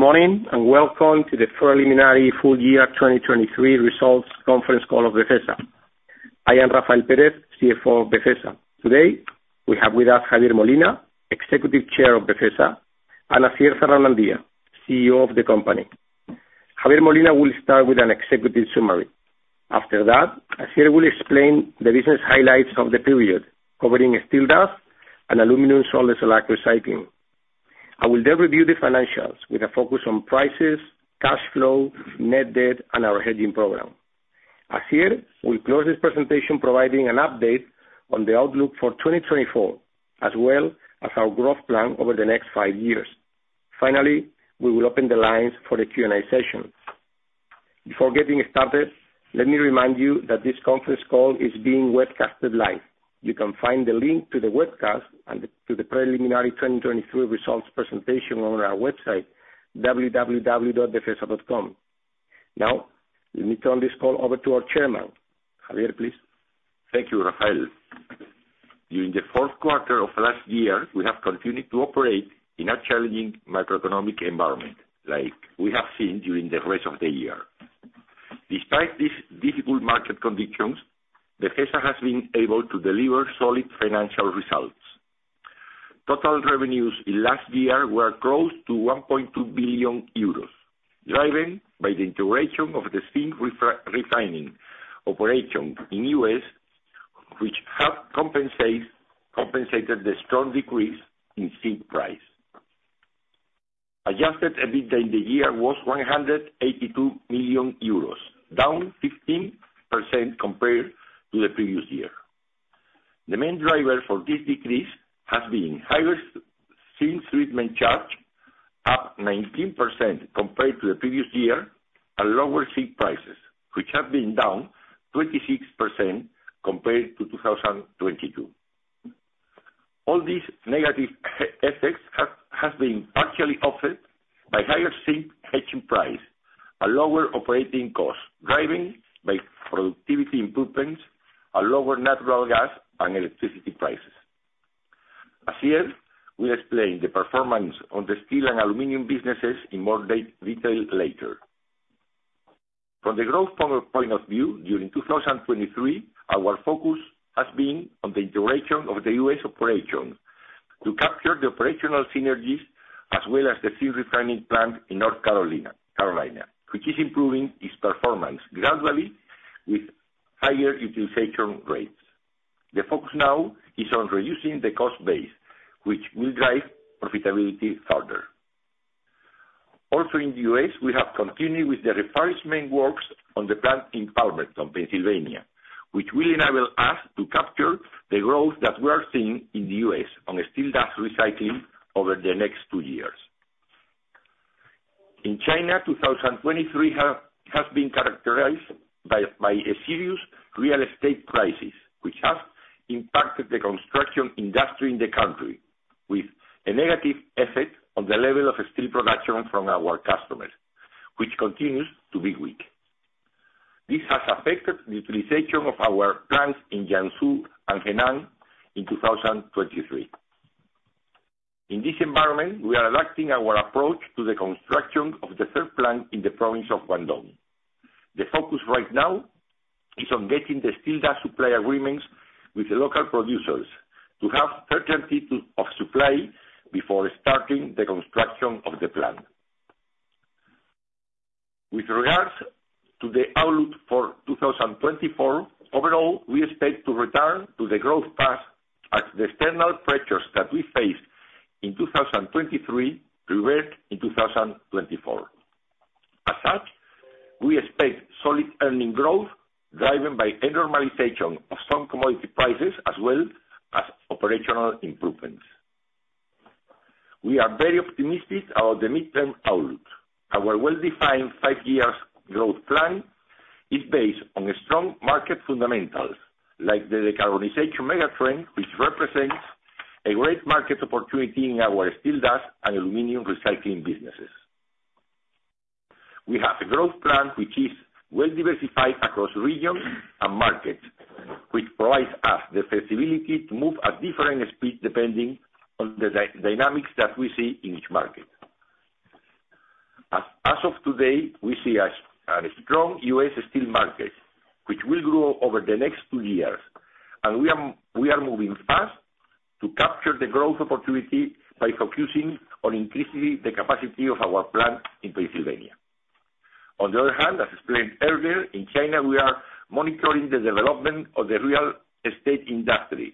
Good morning and welcome to the preliminary full year 2023 results conference call of Befesa. I am Rafael Pérez, CFO of Befesa. Today we have with us Javier Molina, Executive Chair of Befesa, and Asier Zarraonandia, CEO of the company. Javier Molina will start with an executive summary. After that, Asier will explain the business highlights of the period covering steel dust and aluminum salt slag recycling. I will then review the financials with a focus on prices, cash flow, net debt, and our hedging program. Asier will close his presentation providing an update on the outlook for 2024 as well as our growth plan over the next five years. Finally, we will open the lines for a Q&A session. Before getting started, let me remind you that this conference call is being webcasted live. You can find the link to the webcast and to the preliminary 2023 results presentation on our website, www.befesa.com. Now, let me turn this call over to our chairman. Javier, please. Thank you, Rafael. During the fourth quarter of last year, we have continued to operate in a challenging macroeconomic environment like we have seen during the rest of the year. Despite these difficult market conditions, Befesa has been able to deliver solid financial results. Total revenues in last year were close to 1.2 billion euros, driven by the integration of the steel refining operation in the U.S., which has compensated the strong decrease in steel price. Adjusted EBITDA during the year was 182 million euros, down 15% compared to the previous year. The main driver for this decrease has been higher steel treatment charge, up 19% compared to the previous year, and lower steel prices, which have been down 26% compared to 2022. All these negative effects have been partially offset by higher steel hedging price and lower operating costs, driven by productivity improvements and lower natural gas and electricity prices. Asier, we'll explain the performance on the steel and aluminum businesses in more detail later. From the growth point of view, during 2023, our focus has been on the integration of the U.S. operation to capture the operational synergies as well as the steel refining plant in North Carolina, which is improving its performance gradually with higher utilization rates. The focus now is on reducing the cost base, which will drive profitability further. Also in the U.S., we have continued with the refurbishment works on the plant in Palmerton, Pennsylvania, which will enable us to capture the growth that we are seeing in the U.S. on steel dust recycling over the next two years. In China, 2023 has been characterized by a serious real estate crisis, which has impacted the construction industry in the country with a negative effect on the level of steel production from our customers, which continues to be weak. This has affected the utilization of our plants in Jiangsu and Henan in 2023. In this environment, we are adapting our approach to the construction of the third plant in the province of Guangdong. The focus right now is on getting the steel dust supply agreements with the local producers to have certainty of supply before starting the construction of the plant. With regards to the outlook for 2024, overall, we expect to return to the growth path as the external pressures that we faced in 2023 revert in 2024. As such, we expect solid earnings growth driven by a normalization of some commodity prices as well as operational improvements. We are very optimistic about the mid-term outlook. Our well-defined 5-year growth plan is based on strong market fundamentals like the decarbonization megatrend, which represents a great market opportunity in our steel dust and aluminum recycling businesses. We have a growth plan which is well diversified across regions and markets, which provides us the flexibility to move at different speeds depending on the dynamics that we see in each market. As of today, we see a strong US steel market, which will grow over the next 2 years, and we are moving fast to capture the growth opportunity by focusing on increasing the capacity of our plant in Pennsylvania. On the other hand, as explained earlier, in China, we are monitoring the development of the real estate industry,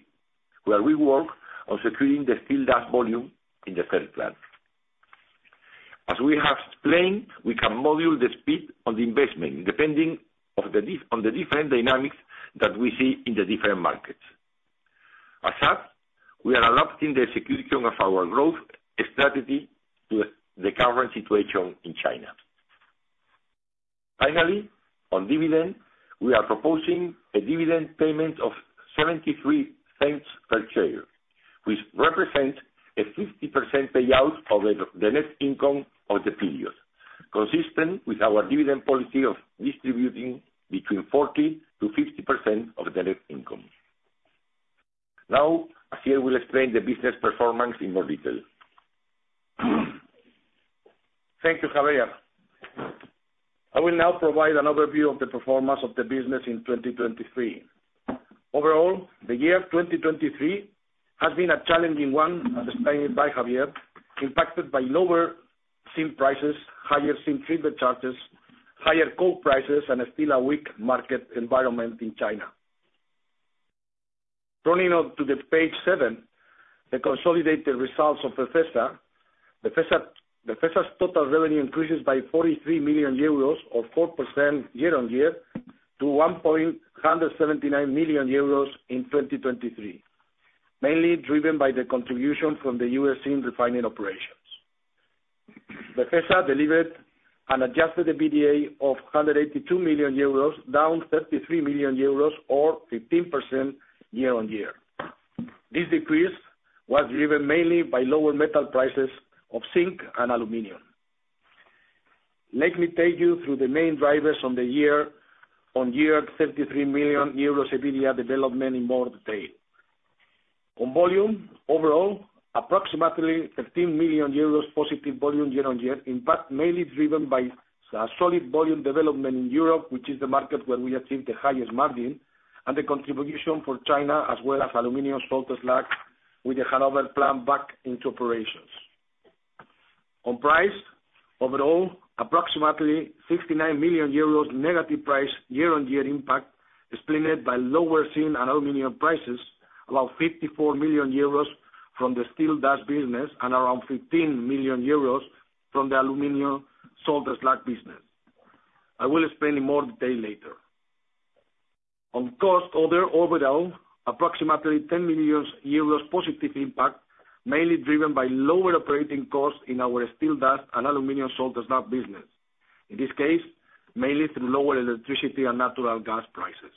where we work on securing the steel dust volume in the third plant. As we have explained, we can modulate the speed on the investment depending on the different dynamics that we see in the different markets. As such, we are adapting the execution of our growth strategy to the current situation in China. Finally, on dividend, we are proposing a dividend payment of 0.73 per share, which represents a 50% payout of the net income of the period, consistent with our dividend policy of distributing between 40%-50% of the net income. Now, Asier will explain the business performance in more detail. Thank you, Javier. I will now provide an overview of the performance of the business in 2023. Overall, the year 2023 has been a challenging one, as explained by Javier, impacted by lower steel prices, higher steel treatment charges, higher coke prices, and still a weak market environment in China. Turning onto page seven, the consolidated results of Befesa, Befesa's total revenue increases by 43 million euros, or 4% year-on-year, to 1,179 million euros in 2023, mainly driven by the contribution from the US steel refining operations. Befesa delivered an Adjusted EBITDA of 182 million euros, down 33 million euros, or 15% year-on-year. This decrease was driven mainly by lower metal prices of zinc and aluminum. Let me take you through the main drivers on the year-on-year 33 million euros of EBITDA development in more detail. On volume, overall, approximately 13 million euros positive volume year-on-year impact mainly driven by solid volume development in Europe, which is the market where we achieved the highest margin, and the contribution for China as well as aluminum salt slags with the Hanover plant back into operations. On price, overall, approximately 69 million euros negative price year-on-year impact explained by lower steel and aluminum prices, about 54 million euros from the steel dust business and around 15 million euros from the aluminum salt slags business. I will explain in more detail later. On cost, overall, approximately 10 million euros positive impact mainly driven by lower operating costs in our steel dust and aluminum salt slags business, in this case, mainly through lower electricity and natural gas prices,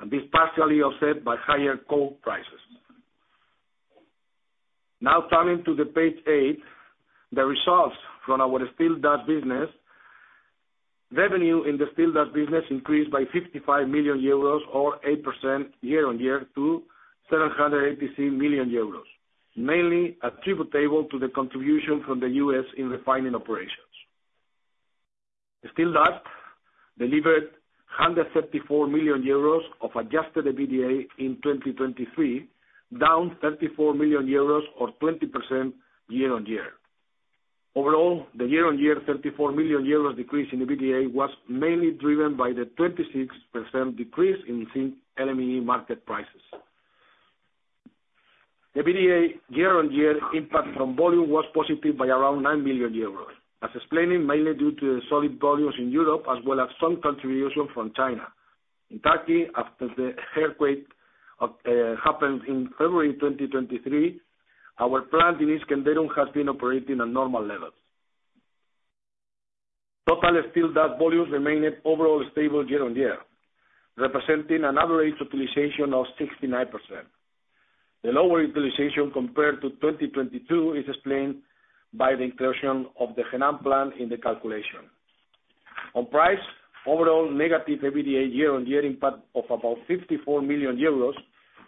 and this partially offset by higher coke prices. Now, turning to page 8, the results from our steel dust business. Revenue in the steel dust business increased by 55 million euros, or 8% year-on-year, to 783 million euros, mainly attributable to the contribution from the U.S. refining operations. Steel dust delivered 174 million euros of Adjusted EBITDA in 2023, down 34 million euros, or 20% year-on-year. Overall, the year-on-year 34 million euros decrease in the EBITDA was mainly driven by the 26% decrease in zinc LME market prices. The EBITDA year-on-year impact from volume was positive by around 9 million euros, as explained, mainly due to the solid volumes in Europe as well as some contribution from China. In Turkey, after the earthquake happened in February 2023, our plant in Iskenderun has been operating at normal levels. Total steel dust volumes remained overall stable year-on-year, representing an average utilization of 69%. The lower utilization compared to 2022 is explained by the inclusion of the Henan plant in the calculation. On price, overall negative EBITDA year-over-year impact of about 54 million euros,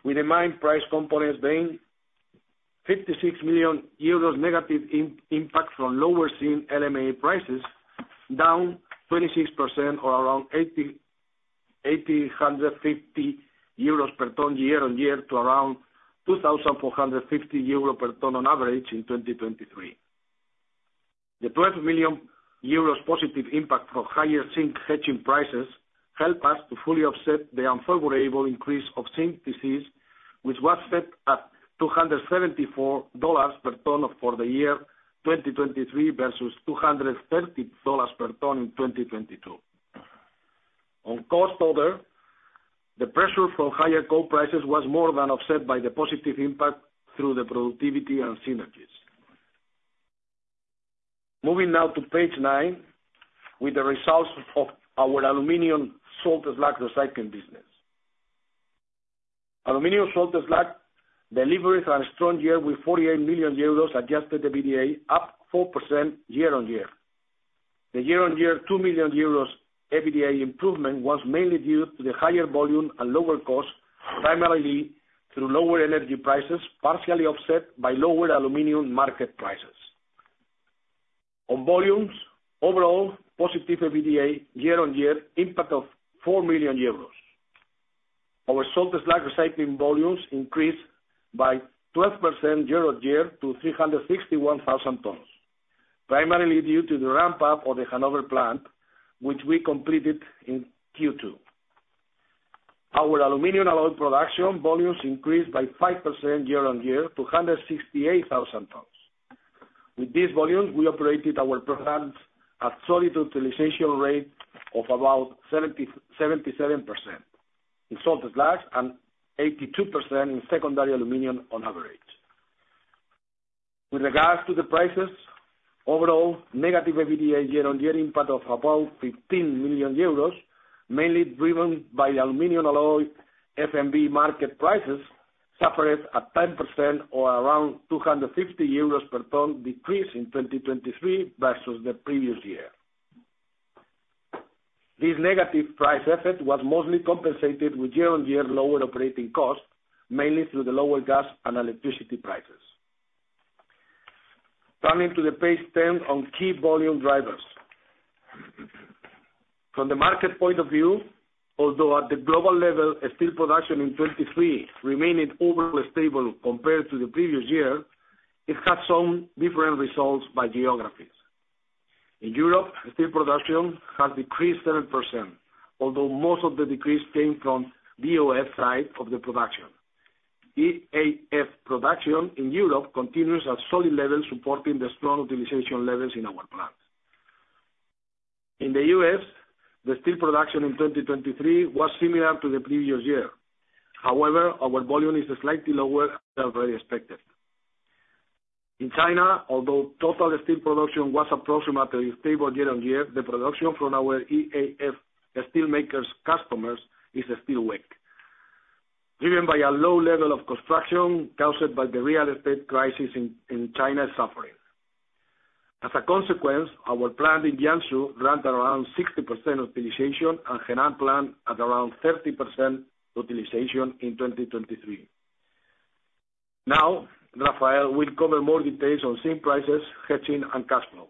with the main price components being 56 million euros negative impact from lower zinc LME prices, down 26% or around 8,850 euros per ton year-over-year to around 2,450 euros per ton on average in 2023. The 12 million euros positive impact from higher zinc hedging prices helped us to fully offset the unfavorable increase of zinc TCs, which was set at $274 per ton for the year 2023 versus $230 per ton in 2022. On cost, however, the pressure from higher coke prices was more than offset by the positive impact through the productivity and synergies. Moving now to page nine with the results of our aluminum salt slags recycling business. Aluminum salt slags delivered a strong year with 48 million euros Adjusted EBITDA, up 4% year-over-year. The year-on-year 2 million euros EBITDA improvement was mainly due to the higher volume and lower costs, primarily through lower energy prices, partially offset by lower aluminum market prices. On volumes, overall positive EBITDA year-on-year impact of 4 million euros. Our salt slag recycling volumes increased by 12% year-on-year to 361,000 tons, primarily due to the ramp-up of the Hanover plant, which we completed in Q2. Our aluminum alloy production volumes increased by 5% year-on-year to 168,000 tons. With these volumes, we operated our plants at solid utilization rate of about 77% in salt slag and 82% in secondary aluminum on average. With regards to the prices, overall negative EBITDA year-on-year impact of about 15 million euros, mainly driven by aluminum alloy FMB market prices, suffered a 10% or around 250 euros per ton decrease in 2023 versus the previous year. This negative price effect was mostly compensated with year-on-year lower operating costs, mainly through the lower gas and electricity prices. Turning to page 10 on key volume drivers. From the market point of view, although at the global level, steel production in 2023 remained overall stable compared to the previous year, it has shown different results by geographies. In Europe, steel production has decreased 7%, although most of the decrease came from BOF side of the production. EAF production in Europe continues at solid levels, supporting the strong utilization levels in our plant. In the US, the steel production in 2023 was similar to the previous year. However, our volume is slightly lower than already expected. In China, although total steel production was approximately stable year-on-year, the production from our EAF steelmakers' customers is still weak, driven by a low level of construction caused by the real estate crisis in China's suffering. As a consequence, our plant in Jiangsu ran at around 60% utilization and Henan plant at around 30% utilization in 2023. Now, Rafael, we'll cover more details on zinc prices, hedging, and cash flow.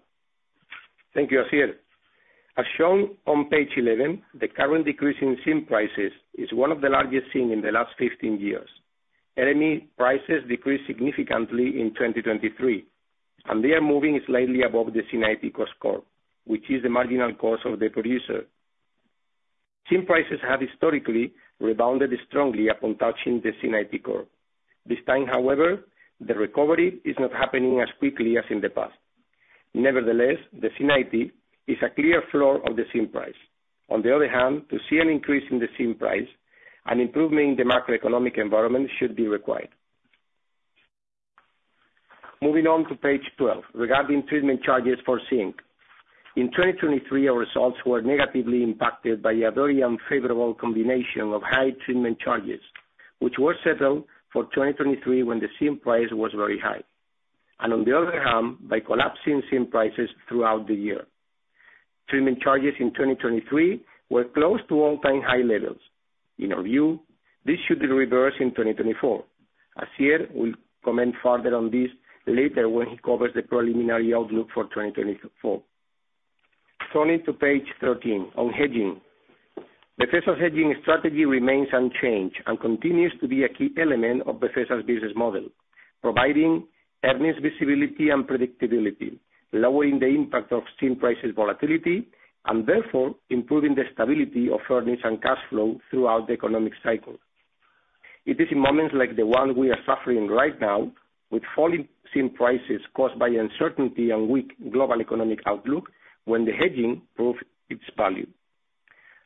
Thank you, Asier. As shown on page 11, the current decrease in zinc prices is one of the largest seen in the last 15 years. LME prices decreased significantly in 2023, and they are moving slightly above the C90 cost curve, which is the marginal cost of the producer. Zinc prices have historically rebounded strongly upon touching the C90 cost curve. This time, however, the recovery is not happening as quickly as in the past. Nevertheless, the C90 is a clear floor of the zinc price. On the other hand, to see an increase in the zinc price, an improvement in the macroeconomic environment should be required. Moving on to page 12 regarding treatment charges for zinc. In 2023, our results were negatively impacted by a very unfavorable combination of high treatment charges, which were settled for 2023 when the zinc price was very high, and on the other hand, by collapsing zinc prices throughout the year. Treatment charges in 2023 were close to all-time high levels. In our view, this should reverse in 2024. Asier will comment further on this later when he covers the preliminary outlook for 2024. Turning to page 13 on hedging. Befesa's hedging strategy remains unchanged and continues to be a key element of Befesa's business model, providing earnings visibility and predictability, lowering the impact of zinc prices volatility, and therefore improving the stability of earnings and cash flow throughout the economic cycle. It is in moments like the one we are suffering right now with falling zinc prices caused by uncertainty and weak global economic outlook when the hedging proved its value.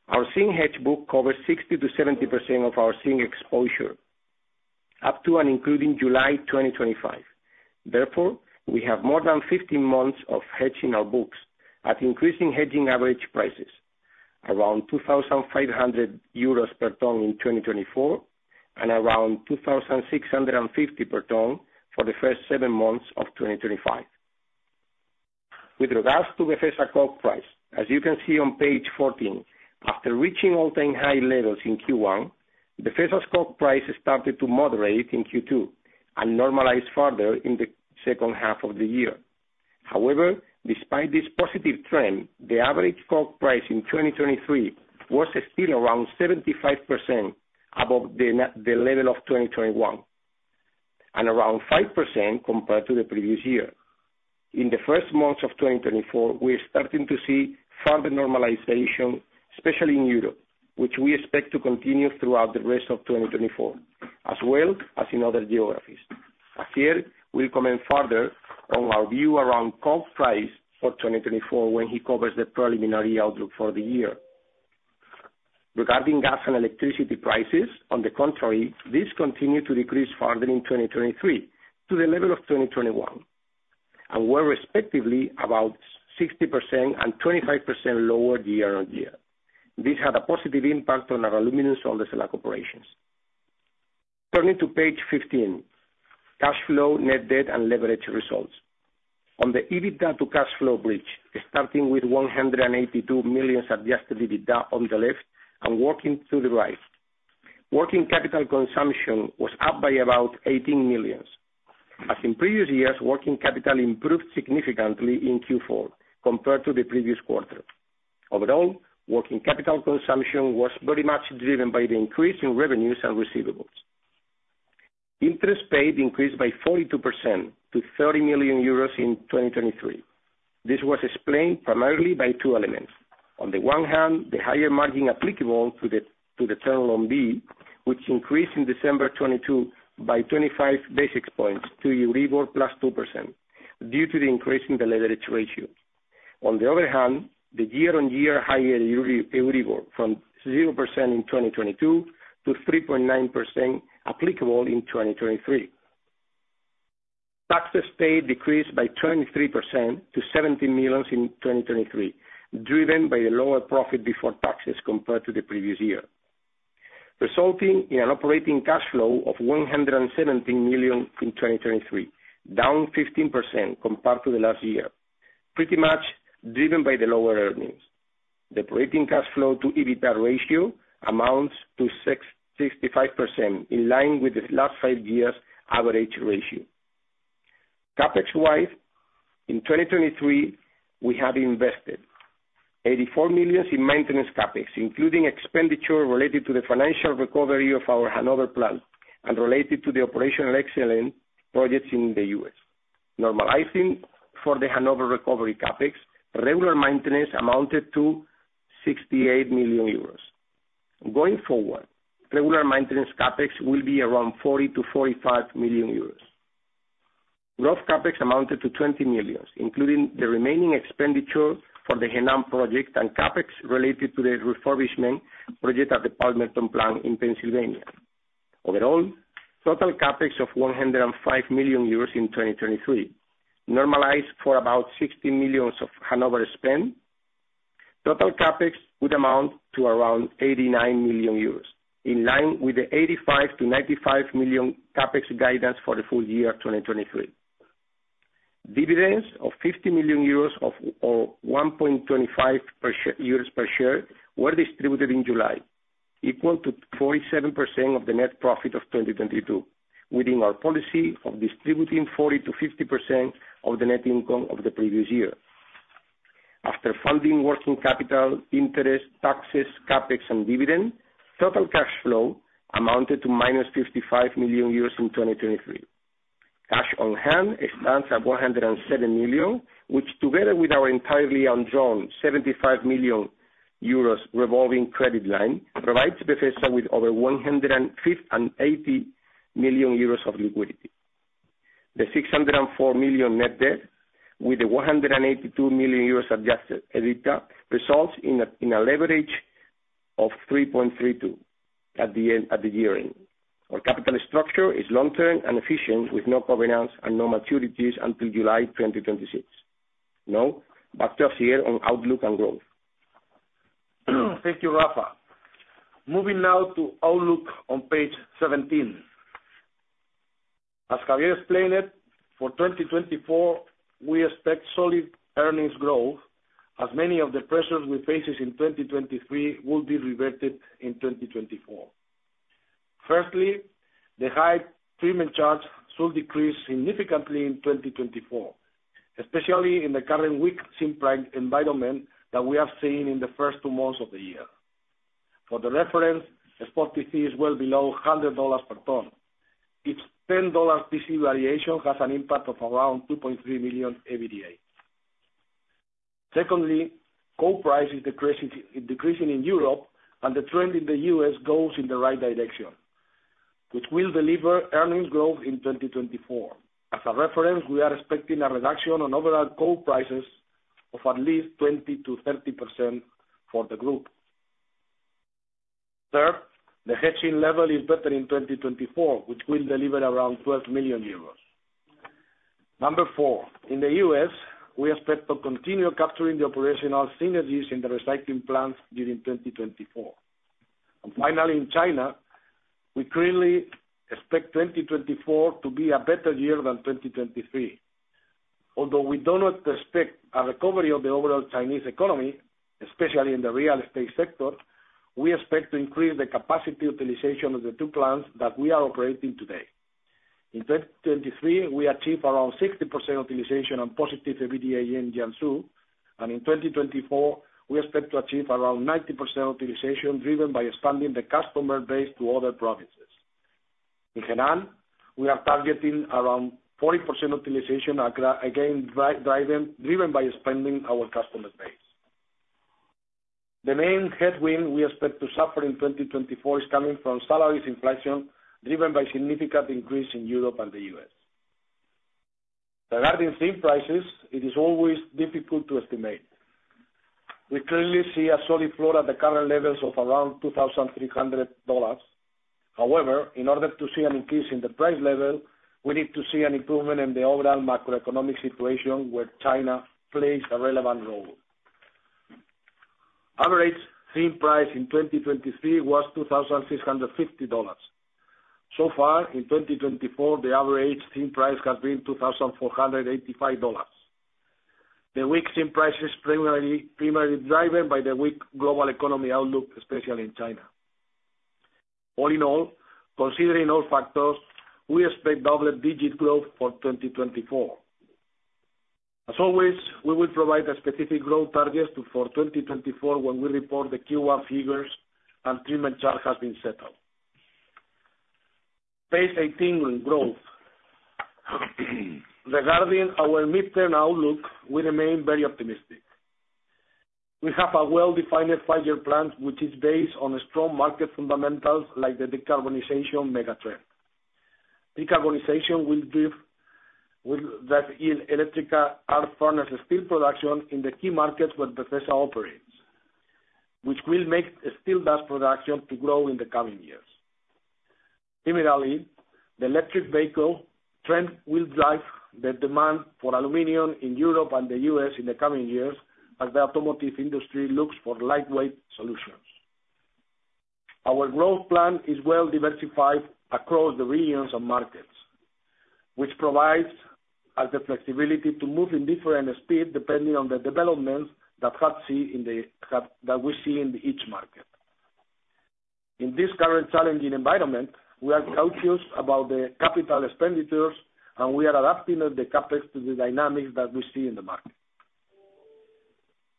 Our zinc hedge book covers 60%-70% of our zinc exposure, up to and including July 2025. Therefore, we have more than 15 months of hedging our books at increasing hedging average prices, around 2,500 euros per ton in 2024 and around 2,650 per ton for the first seven months of 2025. With regards to Befesa coke price, as you can see on page 14, after reaching all-time high levels in Q1, Befesa's coke price started to moderate in Q2 and normalized further in the second half of the year. However, despite this positive trend, the average coke price in 2023 was still around 75% above the level of 2021 and around 5% compared to the previous year. In the first months of 2024, we are starting to see further normalization, especially in Europe, which we expect to continue throughout the rest of 2024, as well as in other geographies. Asier, we'll comment further on our view around coke price for 2024 when he covers the preliminary outlook for the year. Regarding gas and electricity prices, on the contrary, these continue to decrease further in 2023 to the level of 2021 and were respectively about 60% and 25% lower year-on-year. This had a positive impact on our aluminum salt slag operations. Turning to page 15, cash flow, net debt, and leverage results. On the EBITDA to cash flow bridge, starting with 182 million Adjusted EBITDA on the left and working to the right, working capital consumption was up by about 18 million. As in previous years, working capital improved significantly in Q4 compared to the previous quarter. Overall, working capital consumption was very much driven by the increase in revenues and receivables. Interest paid increased by 42% to 30 million euros in 2023. This was explained primarily by two elements. On the one hand, the higher margin applicable to the Term Loan B, which increased in December 2022 by 25 basis points to EURIBOR plus 2% due to the increase in the leverage ratio. On the other hand, the year-on-year higher EURIBOR from 0% in 2022 to 3.9% applicable in 2023. Taxes paid decreased by 23% to 17 million in 2023, driven by the lower profit before taxes compared to the previous year, resulting in an operating cash flow of 117 million in 2023, down 15% compared to the last year, pretty much driven by the lower earnings. The operating cash flow to EBITDA ratio amounts to 65% in line with the last five years' average ratio. CapEx-wise, in 2023, we have invested 84 million in maintenance CapEx, including expenditure related to the financial recovery of our Hanover plant and related to the operational excellence projects in the U.S. Normalizing for the Hanover recovery CapEx, regular maintenance amounted to 68 million euros. Going forward, regular maintenance CapEx will be around 40 million-45 million euros. Growth CapEx amounted to 20 million, including the remaining expenditure for the Henan project and CapEx related to the refurbishment project at the Palmerton, Pennsylvania plant. Overall, total CapEx of 105 million euros in 2023 normalized for about 60 million of Hanover spend. Total CapEx would amount to around 89 million euros in line with the 85 million-95 million CapEx guidance for the full year 2023. Dividends of 50 million euros or 1.25 per share were distributed in July, equal to 47% of the net profit of 2022, within our policy of distributing 40%-50% of the net income of the previous year. After funding working capital, interest, taxes, CapEx, and dividend, total cash flow amounted to -55 million euros in 2023. Cash on hand stands at 107 million, which together with our entirely undrawn 75 million euros revolving credit line provides Befesa with over 180 million euros of liquidity. The 604 million net debt with the 182 million euros Adjusted EBITDA results in a leverage of 3.32 at the year end. Our capital structure is long-term and efficient with no covenants and no maturities until July 2026. No, back to Asier on outlook and growth. Thank you, Rafa. Moving now to outlook on page 17. As Javier explained it, for 2024, we expect solid earnings growth as many of the pressures we face in 2023 will be reverted in 2024. Firstly, the high treatment charge should decrease significantly in 2024, especially in the current weak zinc price environment that we are seeing in the first two months of the year. For the reference, spot TC is well below $100 per ton. Its $10 TC variation has an impact of around 2.3 million EBITDA. Secondly, coke price is decreasing in Europe, and the trend in the US goes in the right direction, which will deliver earnings growth in 2024. As a reference, we are expecting a reduction in overall coke prices of at least 20%-30% for the group. Third, the hedging level is better in 2024, which will deliver around 12 million euros. Number four, in the US, we expect to continue capturing the operational synergies in the recycling plants during 2024. And finally, in China, we clearly expect 2024 to be a better year than 2023. Although we do not expect a recovery of the overall Chinese economy, especially in the real estate sector, we expect to increase the capacity utilization of the two plants that we are operating today. In 2023, we achieved around 60% utilization and positive EBITDA in Jiangsu, and in 2024, we expect to achieve around 90% utilization driven by expanding the customer base to other provinces. In Henan, we are targeting around 40% utilization, again driven by expanding our customer base. The main headwind we expect to suffer in 2024 is coming from salaries inflation driven by significant increase in Europe and the U.S. Regarding zinc prices, it is always difficult to estimate. We clearly see a solid floor at the current levels of around $2,300. However, in order to see an increase in the price level, we need to see an improvement in the overall macroeconomic situation where China plays a relevant role. Average zinc price in 2023 was $2,650. So far, in 2024, the average zinc price has been $2,485. The weak zinc price is primarily driven by the weak global economy outlook, especially in China. All in all, considering all factors, we expect double-digit growth for 2024. As always, we will provide specific growth targets for 2024 when we report the Q1 figures and treatment charge has been settled. Phase 18 growth. Regarding our mid-term outlook, we remain very optimistic. We have a well-defined five-year plan, which is based on strong market fundamentals like the decarbonization megatrend. Decarbonization will drive electric arc furnace steel production in the key markets where Befesa operates, which will make steel dust production to grow in the coming years. Similarly, the electric vehicle trend will drive the demand for aluminum in Europe and the U.S. in the coming years as the automotive industry looks for lightweight solutions. Our growth plan is well-diversified across the regions and markets, which provides us the flexibility to move in different speeds depending on the developments that we see in each market. In this current challenging environment, we are cautious about the capital expenditures, and we are adapting the CapEx to the dynamics that we see in the market.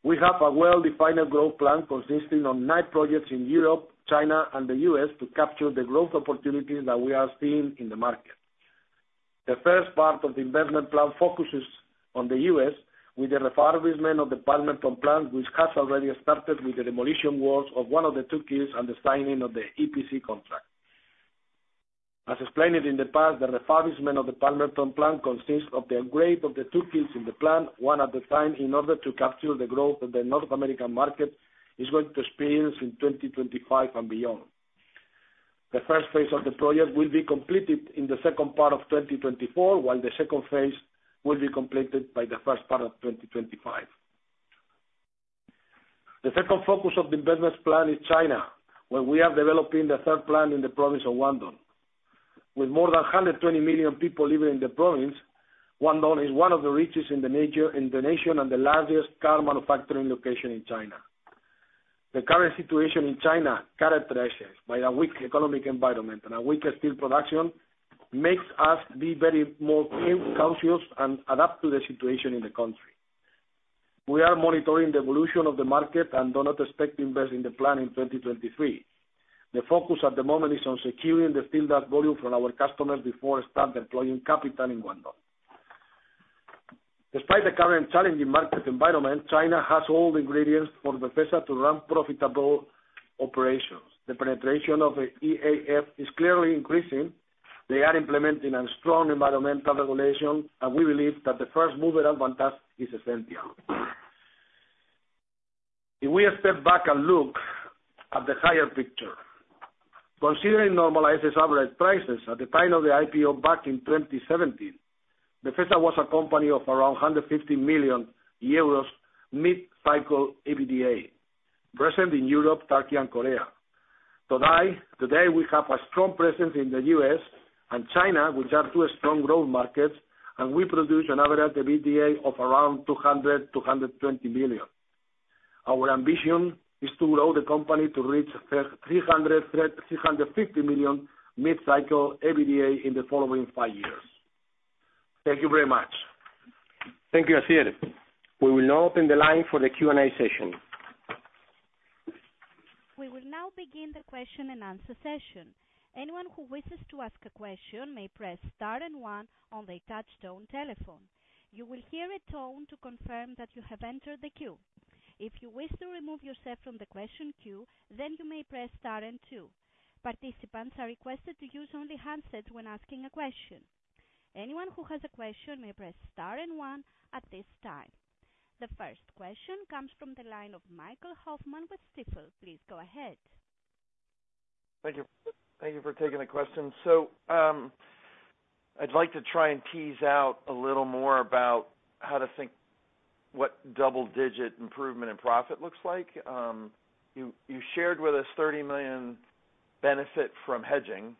We have a well-defined growth plan consisting of nine projects in Europe, China, and the U.S. to capture the growth opportunities that we are seeing in the market. The first part of the investment plan focuses on the U.S. with the refurbishment of the Palmerton plant, which has already started with the demolition works of one of the two kilns and the signing of the EPC contract. As explained in the past, the refurbishment of the Palmerton plant consists of the upgrade of the two kilns in the plant one at a time in order to capture the growth that the North American market is going to experience in 2025 and beyond. The first phase of the project will be completed in the second part of 2024, while the second phase will be completed by the first part of 2025. The second focus of the investment plan is China, where we are developing the third plant in the province of Guangdong. With more than 120 million people living in the province, Guangdong is one of the richest in the nation and the largest car manufacturing location in China. The current situation in China, characterized by a weak economic environment and a weak steel production, makes us be very much more cautious and adapt to the situation in the country. We are monitoring the evolution of the market and do not expect to invest in the plant in 2023. The focus at the moment is on securing the steel dust volume from our customers before starting deploying capital in Guangdong. Despite the current challenging market environment, China has all the ingredients for Befesa to run profitable operations. The penetration of the EAF is clearly increasing. They are implementing a strong environmental regulation, and we believe that the first-mover advantage is essential. If we step back and look at the higher picture, considering normalized average prices at the time of the IPO back in 2017, Befesa was a company of around 150 million euros mid-cycle EBITDA present in Europe, Turkey, and Korea. Today, we have a strong presence in the U.S. and China, which are two strong growth markets, and we produce an average EBITDA of around 200 million-120 million. Our ambition is to grow the company to reach 350 million mid-cycle EBITDA in the following five years. Thank you very much. Thank you, Asier. We will now open the line for the Q&A session. We will now begin the question-and-answer session. Anyone who wishes to ask a question may press Start and One on their touchstone telephone. You will hear a tone to confirm that you have entered the queue. If you wish to remove yourself from the question queue, then you may press star and two. Participants are requested to use only handsets when asking a question. Anyone who has a question may press star and one at this time. The first question comes from the line of Michael Hoffman with Stifel. Please go ahead. Thank you for taking the question. So I'd like to try and tease out a little more about how to think what double-digit improvement in profit looks like. You shared with us 30 million benefit from hedging.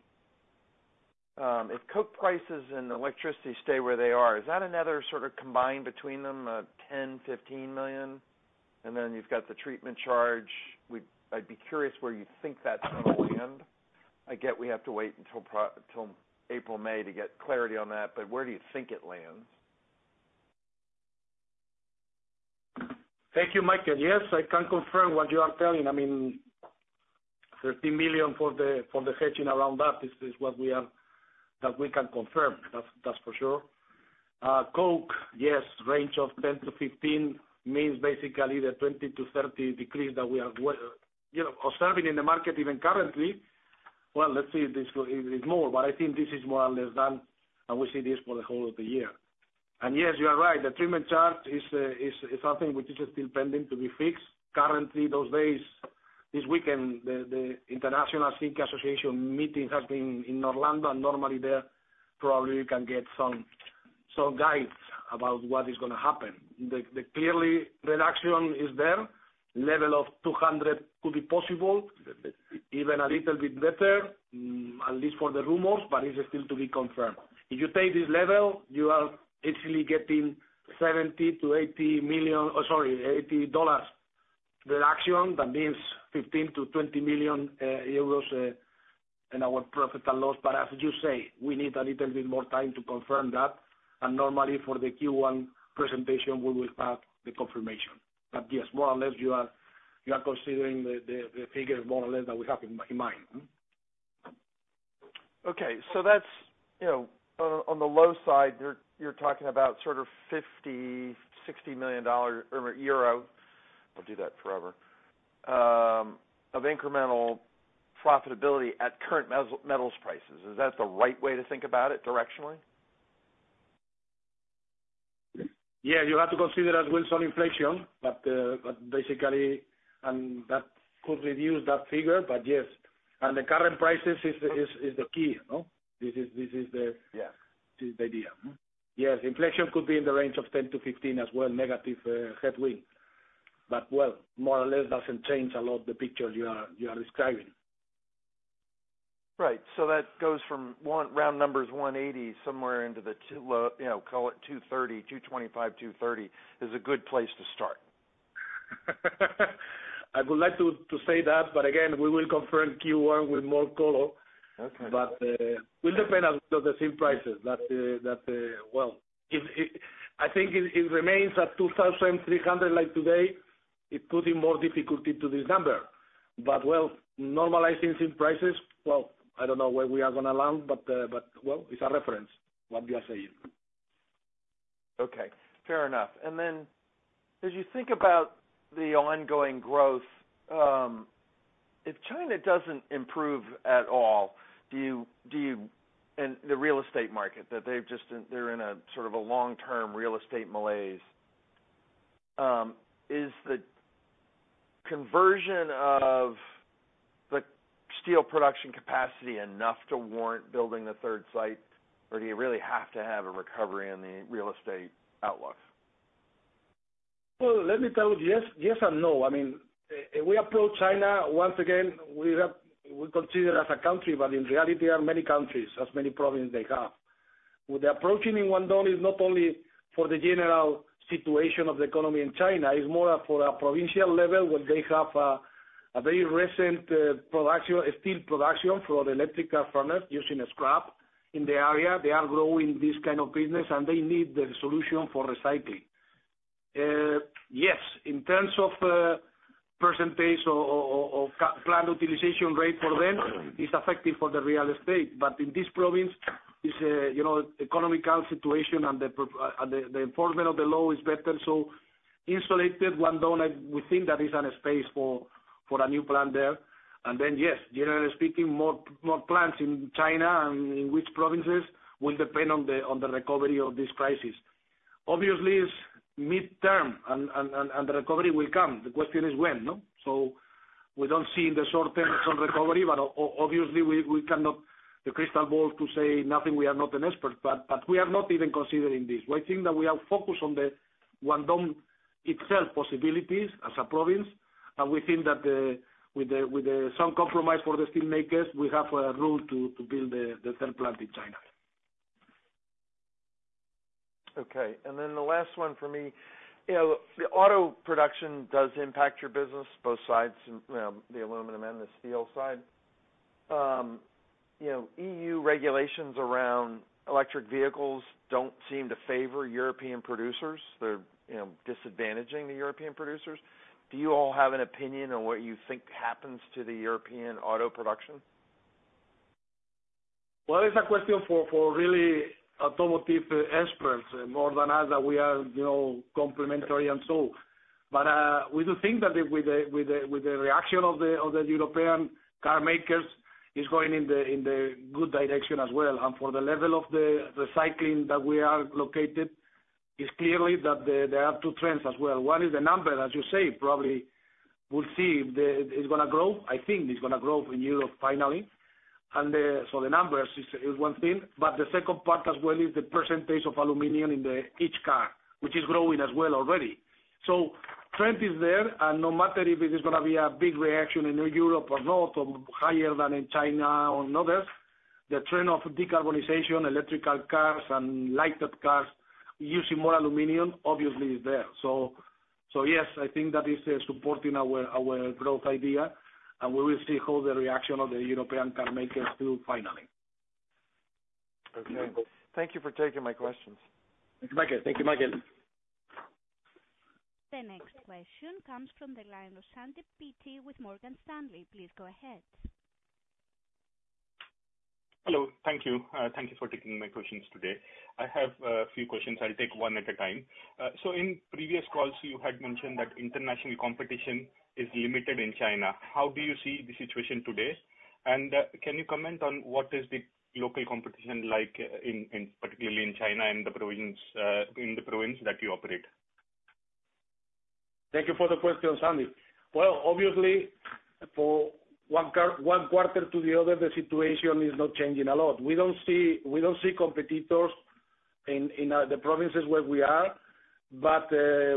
If coke prices and electricity stay where they are, is that another sort of combined between them, 10-15 million? And then you've got the treatment charge. I'd be curious where you think that's going to land. I get we have to wait until April, May to get clarity on that, but where do you think it lands? Thank you, Michael. Yes, I can confirm what you are telling. I mean, 13 million for the hedging around that is what we can confirm. That's for sure. Coke, yes, $10-$15 range means basically the $20-$30 decrease that we are observing in the market even currently. Well, let's see. It is more, but I think this is more or less done, and we see this for the whole of the year. Yes, you are right. The treatment charge is something which is still pending to be fixed. Currently, those days, this weekend, the International Zinc Association meeting has been in Orlando, and normally there probably you can get some guides about what is going to happen. Clearly, reduction is there. Level of 200 could be possible, even a little bit better, at least for the rumors, but it is still to be confirmed. If you take this level, you are actually getting $70-$80 million, sorry, $80 reduction. That means 15-20 million euros in our profit and loss. But as you say, we need a little bit more time to confirm that, and normally for the Q1 presentation, we will have the confirmation. But yes, more or less, you are considering the figures more or less that we have in mind. Okay. So on the low side, you're talking about sort of 50-60 million euro I'll do that forever of incremental profitability at current metals prices. Is that the right way to think about it directionally? Yeah. You have to consider as well some inflation, but basically that could reduce that figure. But yes. The current prices is the key. This is the idea. Yes. Inflation could be in the range of 10%-15% as well, negative headwind. But well, more or less, it doesn't change a lot the picture you are describing. Right. So that goes from round numbers 180 somewhere into the call it 230, 225, 230 is a good place to start. I would like to say that, but again, we will confirm Q1 with more color. But it will depend as well on the zinc prices. Well, I think it remains at $2,300 like today. It puts in more difficulty to this number. But well, normalizing zinc prices well, I don't know where we are going to land, but well, it's a reference what you are saying. Okay. Fair enough. Then as you think about the ongoing growth, if China doesn't improve at all, and the real estate market that they're in sort of a long-term real estate malaise, is the conversion of the steel production capacity enough to warrant building the third site, or do you really have to have a recovery in the real estate outlook? Well, let me tell you, yes and no. I mean, if we approach China once again, we consider as a country, but in reality, there are many countries, as many provinces they have. With the approach in Guangdong, it's not only for the general situation of the economy in China. It's more for a provincial level where they have a very recent steel production for electric arc furnaces using scrap in the area. They are growing this kind of business, and they need the solution for recycling. Yes. In terms of percentage of planned utilization rate for them, it's effective in reality. But in this province, it's an economic situation, and the enforcement of the law is better. So in Guangdong, we think that is a space for a new plant there. And then yes, generally speaking, more plants in China and in which provinces will depend on the recovery of this crisis. Obviously, it's mid-term, and the recovery will come. The question is when. So we don't see in the short term some recovery, but obviously, we cannot the crystal ball to say nothing. We are not an expert, but we are not even considering this. We think that we are focused on the Guangdong itself possibilities as a province, and we think that with some compromise for the steelmakers, we have a room to build the third plant in China. Okay. And then the last one for me. The auto production does impact your business, both sides, the aluminum and the steel side. EU regulations around electric vehicles don't seem to favor European producers. They're disadvantaging the European producers. Do you all have an opinion on what you think happens to the European auto production? Well, it's a question for really automotive experts more than us that we are complementary and so. But we do think that with the reaction of the European car makers, it's going in the good direction as well. And for the level of the recycling that we are located, it's clearly that there are two trends as well. One is the number, as you say. Probably we'll see if it's going to grow. I think it's going to grow in Europe finally. And so the numbers is one thing. But the second part as well is the percentage of aluminum in each car, which is growing as well already. So the trend is there, and no matter if it is going to be a big reaction in Europe or not or higher than in China or in others, the trend of decarbonization, electric cars, and lightweight cars using more aluminum, obviously, is there. So yes, I think that is supporting our growth idea, and we will see how the reaction of the European car makers do finally. Okay. Thank you for taking my questions. Thank you, Michael. Thank you, Michael. The next question comes from the line of Sandeep Peety with Morgan Stanley. Please go ahead. Hello. Thank you. Thank you for taking my questions today. I have a few questions. I'll take one at a time. So in previous calls, you had mentioned that international competition is limited in China. How do you see the situation today? And can you comment on what is the local competition like, particularly in China and the province that you operate? Thank you for the question, Sandeep Peety. Well, obviously, from one quarter to the other, the situation is not changing a lot. We don't see competitors in the provinces where we are, but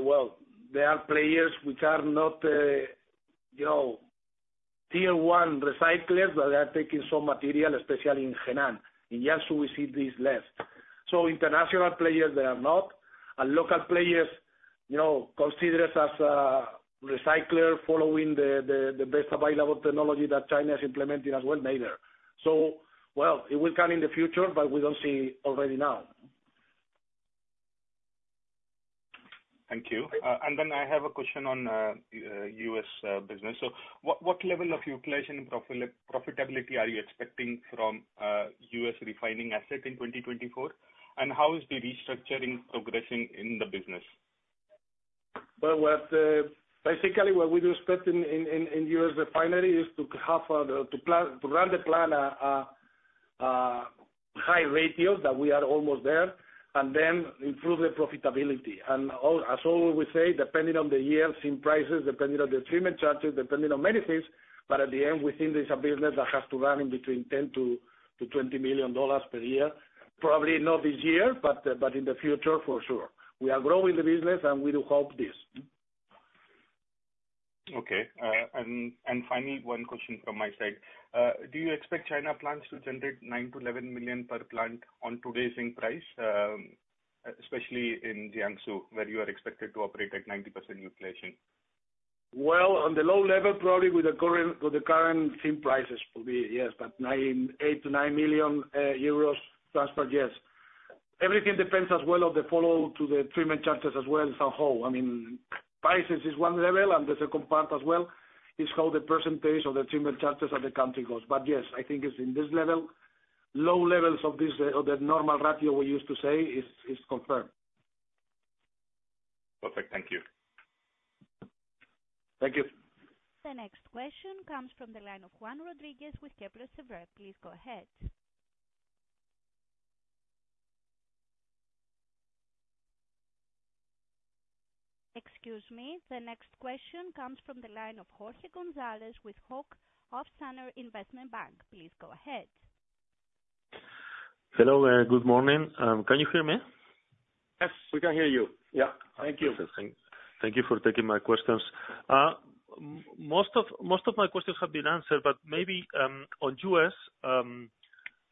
well, there are players which are not tier one recyclers, but they are taking some material, especially in Henan. In Jiangsu, we see this less. So international players, there are not. And local players, considered as a recycler following the best available technology that China is implementing as well, neither. So well, it will come in the future, but we don't see already now. Thank you. And then I have a question on U.S. business. So what level of circulation and profitability are you expecting from US refining assets in 2024? And how is the restructuring progressing in the business? Well, basically, what we do expect in US refinery is to run the plan a high ratio that we are almost there and then improve the profitability. And as always, we say, depending on the year, zinc prices, depending on the treatment charges, depending on many things. But at the end, we think there's a business that has to run between $10 million-$20 million per year. Probably not this year, but in the future, for sure. We are growing the business, and we do hope this. Okay. And finally, one question from my side. Do you expect China plants to generate 9 million-11 million per plant on today's zinc price, especially in Jiangsu, where you are expected to operate at 90% utilization? Well, on the low level, probably with the current zinc prices will be, yes, but 8 million-9 million euros transfer, yes. Everything depends as well on the follow-up to the treatment charges as well somehow. I mean, prices is one level, and the second part as well is how the percentage of the treatment charges at the country goes. But yes, I think it's in this level, low levels of the normal ratio we used to say is confirmed. Perfect. Thank you. Thank you. The next question comes from the line of Juan Rodriguez with Kepler Cheuvreux. Please go ahead. Excuse me. The next question comes from the line of Jorge Gonzalez with Hauck & Aufhäuser Investment Bank. Please go ahead. Hello. Good morning. Can you hear me? Yes. We can hear you. Yeah. Thank you. Thank you for taking my questions. Most of my questions have been answered, but maybe on US,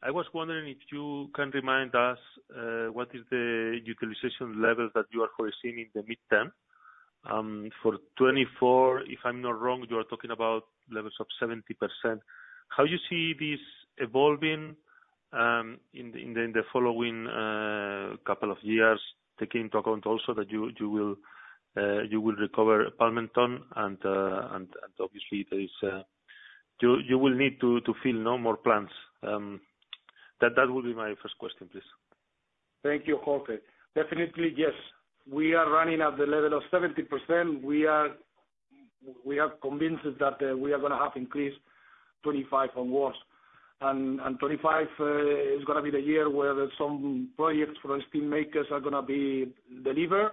I was wondering if you can remind us what is the utilization level that you are foreseeing in the mid-term. For 2024, if I'm not wrong, you are talking about levels of 70%. How do you see this evolving in the following couple of years, taking into account also that you will recover Palmerton and obviously, you will need to fill more plants? That would be my first question, please. Thank you, Jorge. Definitely, yes. We are running at the level of 70%. We are convinced that we are going to have increased. 2025 onwards. And 2025 is going to be the year where some projects for steelmakers are going to be delivered.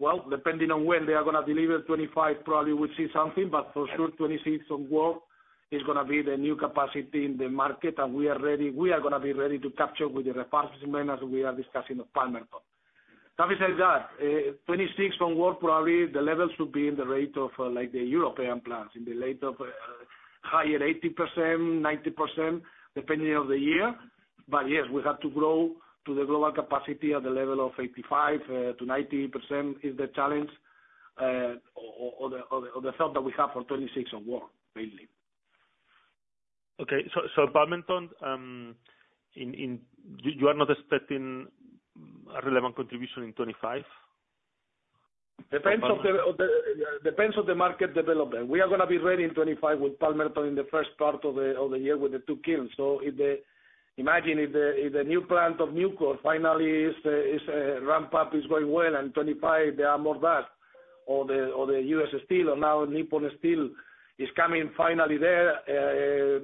Well, depending on when they are going to deliver, 2025 probably we'll see something, but for sure, 2026 onwards is going to be the new capacity in the market, and we are going to be ready to capture with the refurbishment as we are discussing of Palmerton. Having said that, 2026 onwards, probably the levels should be in the rate of the European plants, in the rate of higher 80%-90%, depending on the year. But yes, we have to grow to the global capacity at the level of 85%-90% is the challenge or the thought that we have for 2026 onwards, mainly. Okay. So Palmerton, you are not expecting a relevant contribution in 2025? Depends on the market development. We are going to be ready in 2025 with Palmerton in the first part of the year with the two kilns. So imagine if the new plant of Nucor finally is ramped up, is going well, and 2025, there are more that, or the US Steel, or now Nippon Steel is coming finally there,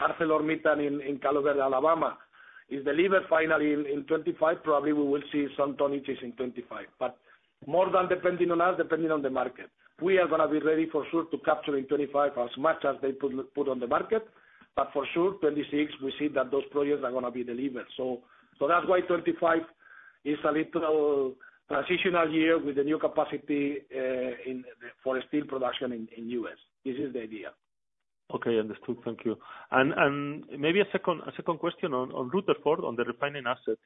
ArcelorMittal in Calvert, Alabama, is delivered finally in 2025, probably we will see some tonnages in 2025. But more than depending on us, depending on the market. We are going to be ready for sure to capture in 2025 as much as they put on the market. But for sure, 2026, we see that those projects are going to be delivered. So that's why 2025 is a little transitional year with the new capacity for steel production in US. This is the idea. Okay. Understood. Thank you. And maybe a second question on Rutherford, on the refining assets.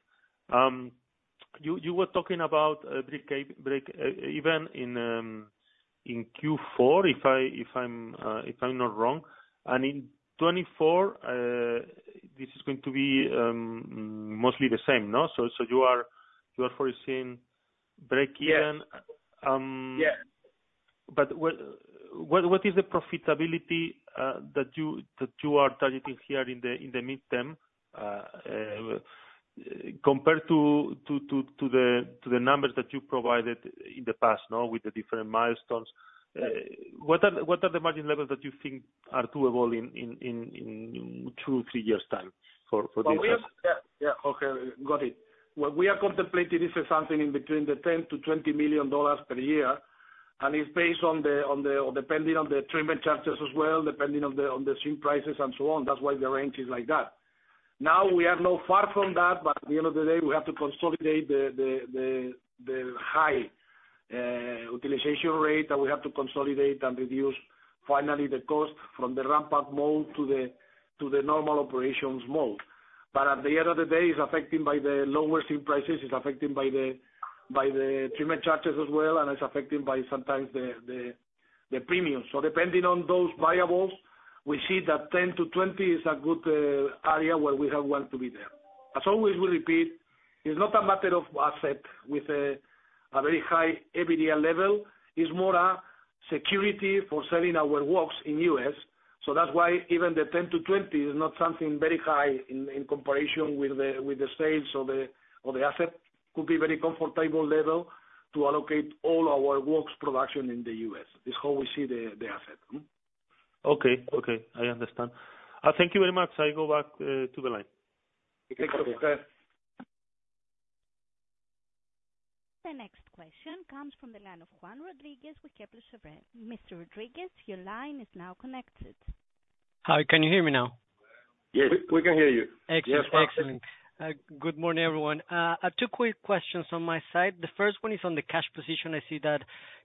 You were talking about break even in Q4, if I'm not wrong. And in 2024, this is going to be mostly the same, no? So you are foreseeing break even. But what is the profitability that you are targeting here in the mid-term compared to the numbers that you provided in the past with the different milestones? What are the margin levels that you think are doable in two, three years' time for this asset? Yeah. Yeah. Jorge, got it. What we are contemplating is something in between the $10 million-$20 million per year, and it's based on the depending on the treatment charges as well, depending on the zinc prices and so on. That's why the range is like that. Now, we are not far from that, but at the end of the day, we have to consolidate the high utilization rate that we have to consolidate and reduce finally the cost from the ramp-up mode to the normal operations mode. But at the end of the day, it's affected by the lower zinc prices. It's affected by the treatment charges as well, and it's affected by sometimes the premium. So depending on those variables, we see that 10-20 is a good area where we want to be there. As always, we repeat, it's not a matter of asset with a very high everyday level. It's more a security for selling our WOX in U.S. So that's why even the 10-20 is not something very high in comparison with the sales of the asset. Could be very comfortable level to allocate all our WOX production in the US. It's how we see the asset. Okay. Okay. I understand. Thank you very much. I go back to the line. Okay. Thank you. Okay. The next question comes from the line of Juan Rodriguez with Kepler Cheuvreux. Mr. Rodriguez, your line is now connected. Hi. Can you hear me now? Yes. We can hear you. Excellent. Excellent. Good morning, everyone. Two quick questions on my side. The first one is on the cash position. I see that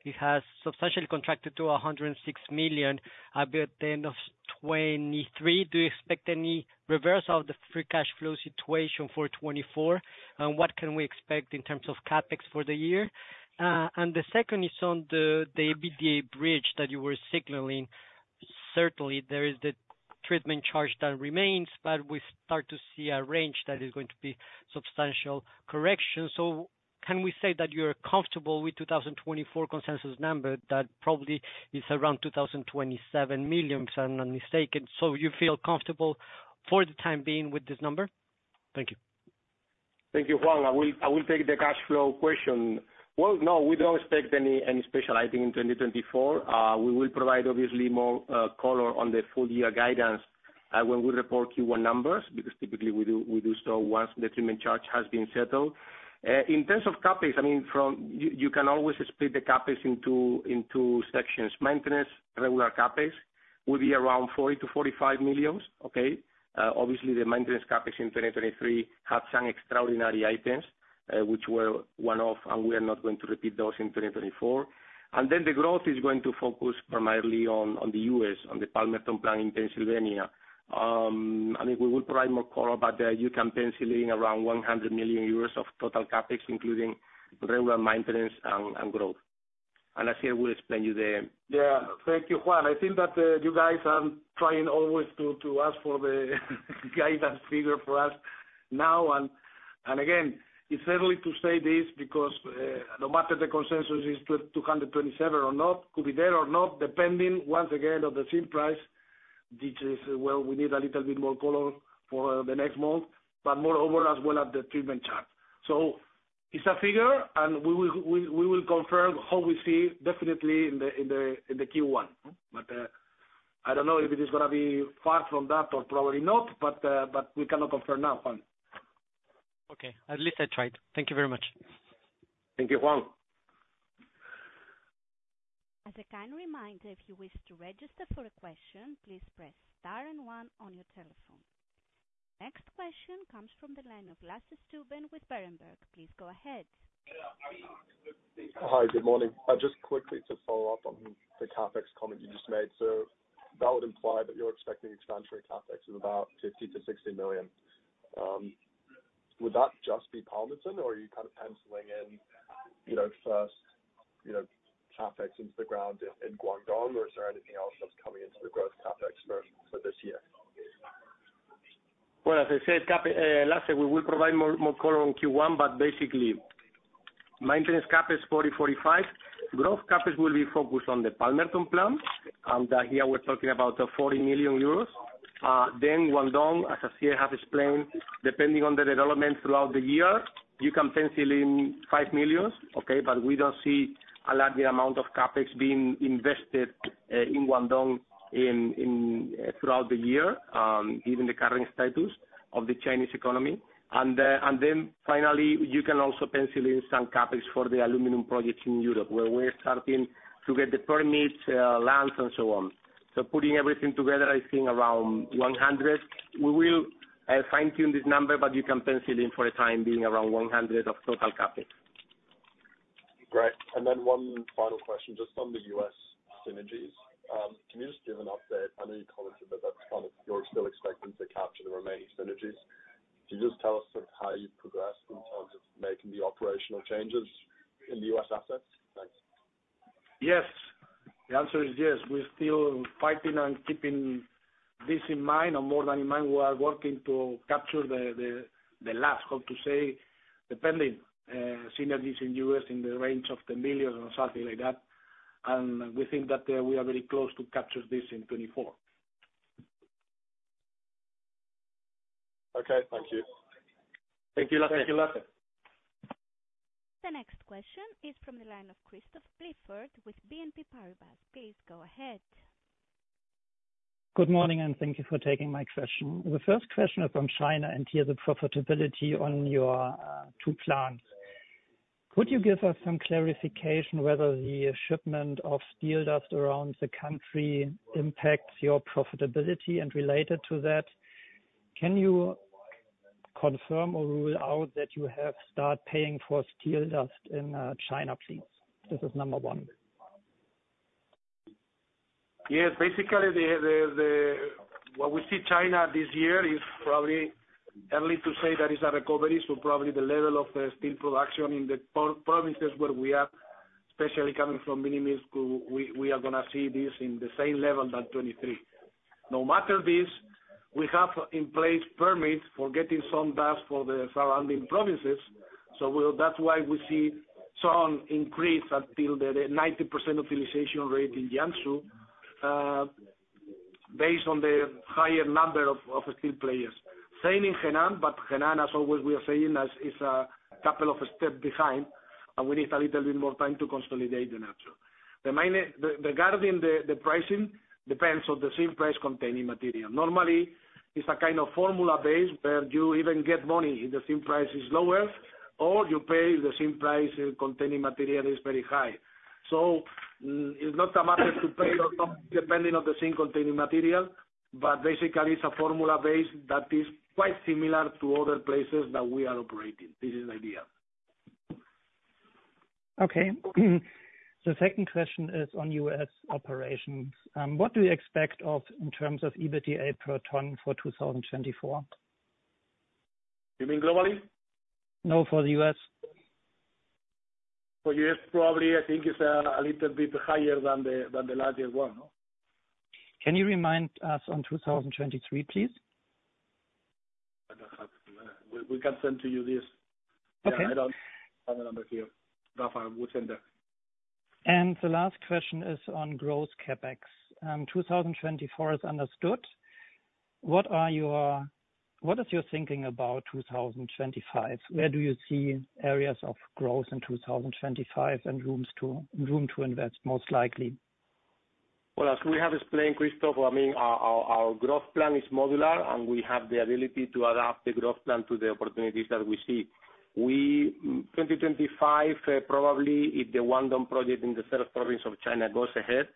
it has substantially contracted to 106 million by the end of 2023. Do you expect any reverse of the free cash flow situation for 2024, and what can we expect in terms of CapEx for the year? And the second is on the EBITDA bridge that you were signaling. Certainly, there is the treatment charge that remains, but we start to see a range that is going to be substantial correction. So can we say that you are comfortable with 2024 consensus number that probably is around 2027 million, if I'm not mistaken? So you feel comfortable for the time being with this number? Thank you. Thank you, Juan. I will take the cash flow question. Well, no, we don't expect any specializing in 2024. We will provide, obviously, more color on the full-year guidance when we report Q1 numbers because typically, we do so once the treatment charge has been settled. In terms of CapEx, I mean, you can always split the CapEx into sections. Maintenance, regular CapEx will be around 40-45 million, okay? Obviously, the maintenance CapEx in 2023 had some extraordinary items, which were one-off, and we are not going to repeat those in 2024. Then the growth is going to focus primarily on the U.S., on the Palmerton plant in Pennsylvania. I mean, we will provide more color, but you can pencil in around 100 million euros of total CapEx, including regular maintenance and growth. And I think I will explain you the. Yeah. Thank you, Juan. I think that you guys are trying always to ask for the guidance figure for us now. And again, it's early to say this because no matter the consensus is 227 or not, could be there or not, depending, once again, on the zinc price, which is, well, we need a little bit more color for the next month, but moreover as well at the treatment charge. So it's a figure, and we will confirm how we see definitely in the Q1. But I don't know if it is going to be far from that or probably not, but we cannot confirm now, Juan. Okay. At least I tried. Thank you very much. Thank you, Juan. As a kind reminder, if you wish to register for a question, please press star and one on your telephone. Next question comes from the line of Lasse Stübben with Berenberg. Please go ahead. Hi. Good morning. Just quickly to follow up on the CapEx comment you just made. So that would imply that you're expecting expansionary CapEx of about 50 million-60 million. Would that just be Palmerton, or are you kind of penciling in first CapEx into the ground in Guangdong, or is there anything else that's coming into the growth CapEx for this year? Well, as I said, Lasse, we will provide more color on Q1, but basically, maintenance CapEx 40-45. Growth CapEx will be focused on the Palmerton plant, and here we're talking about 40 million euros. Then Guangdong, as Asier has explained, depending on the development throughout the year, you can pencil in 5 million, okay? But we don't see a larger amount of CapEx being invested in Guangdong throughout the year given the current status of the Chinese economy. And then finally, you can also pencil in some CapEx for the aluminum projects in Europe where we're starting to get the permits, lands, and so on. So putting everything together, I think around 100. We will fine-tune this number, but you can pencil in for the time being around 100 of total CapEx. Great. And then one final question just on the U.S. synergies. Can you just give an update? I know you commented that that's kind of you're still expecting to capture the remaining synergies. Can you just tell us sort of how you've progressed in terms of making the operational changes in the U.S. assets? Thanks. Yes. The answer is yes. We're still fighting and keeping this in mind or more than in mind. We are working to capture the last, how to say, pending synergies in the U.S. in the range of millions or something like that. We think that we are very close to capture this in 2024. Okay. Thank you. Thank you, Lasse. Thank you, Lasse. The next question is from the line of Chris Clifford with BNP Paribas. Please go ahead. Good morning, and thank you for taking my question. The first question is on China and here the profitability on your two plants. Could you give us some clarification whether the shipment of steel dust around the country impacts your profitability and related to that? Can you confirm or rule out that you have started paying for steel dust in China, please? This is number one. Yes. Basically, what we see China this year is probably early to say that it's a recovery. So probably the level of the steel production in the provinces where we are, especially coming from mini-mills, we are going to see this in the same level than 2023. No matter this, we have in place permits for getting some dust for the surrounding provinces. So that's why we see some increase until the 90% utilization rate in Jiangsu based on the higher number of steel players. Same in Henan, but Henan, as always, we are saying, is a couple of steps behind, and we need a little bit more time to consolidate the natural. Regarding the pricing, it depends on the zinc-containing material. Normally, it's a kind of formula-based where you even get money if the zinc price is lower or you pay if the zinc-containing material is very high. So it's not a matter to pay or something depending on the zinc-containing material, but basically, it's a formula-based that is quite similar to other places that we are operating. This is the idea. Okay. The second question is on U.S. operations. What do you expect in terms of EBITDA per ton for 2024? You mean globally? No, for the U.S. For the U.S., probably, I think it's a little bit higher than the last year's one, no? Can you remind us on 2023, please? We can send to you this. I don't have the number here. Rafael, we'll send that. And the last question is on growth CapEx. 2024 is understood. What is your thinking about 2025? Where do you see areas of growth in 2025 and room to invest most likely? Well, as we have explained, Christoph, I mean, our growth plan is modular, and we have the ability to adapt the growth plan to the opportunities that we see. 2025, probably, if the Guangdong project in the south province of China goes ahead,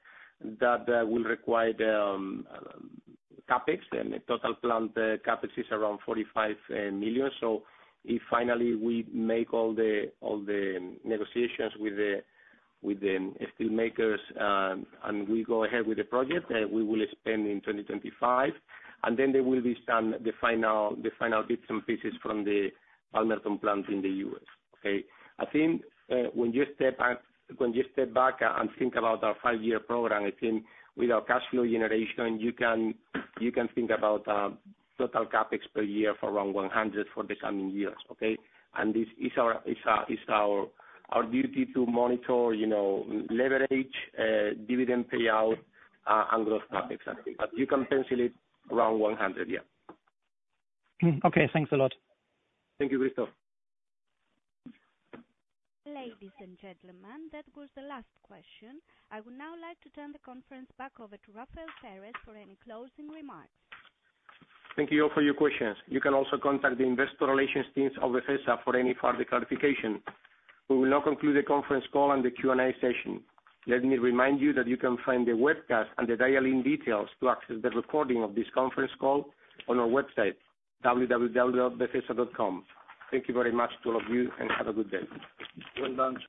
that will require CapEx. And total plant CapEx is around 45 million. So if finally we make all the negotiations with the steelmakers and we go ahead with the project, we will expand in 2025. Then there will be some of the final bits and pieces from the Palmerton plant in the U.S., okay? I think when you step back and think about our five-year program, I think with our cash flow generation, you can think about total CapEx per year for around 100 for the coming years, okay? And this is our duty to monitor, leverage, dividend payout, and growth CapEx, I think. But you can pencil it around 100, yeah. Okay. Thanks a lot. Thank you, Christoph. Ladies and gentlemen, that was the last question. I would now like to turn the conference back over to Rafael Pérez for any closing remarks. Thank you all for your questions. You can also contact the Investor Relations teams of Befesa for any further clarification. We will now conclude the conference call and the Q&A session. Let me remind you that you can find the webcast and the dial-in details to access the recording of this conference call on our website, www.befesa.com. Thank you very much to all of you, and have a good day. Good lunch.